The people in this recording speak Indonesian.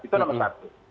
itu nomor satu